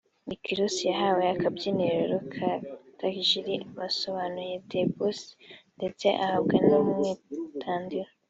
Rick Ross yahawe akabyiniro ka ‘ Tajiri ’ bisobanuye The Boss ndetse ahabwa n’ umwitandiro